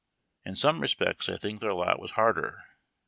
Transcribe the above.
In some respects, I think their lot was harder.